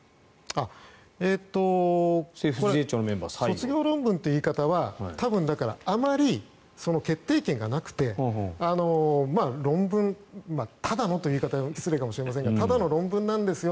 卒業論文という言い方はあまり決定権がなくて論文、ただのという言い方は失礼かもしれませんがただの論文なんですよ